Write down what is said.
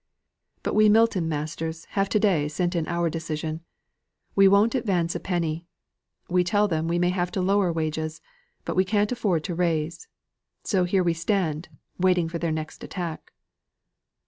But we Milton masters have to day sent in our decision. We won't advance a penny. We tell them we may have to lower wages; but can't afford to raise. So here we stand, waiting for their next attack."